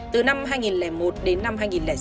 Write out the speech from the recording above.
từ năm hai nghìn một đến năm hai nghìn sáu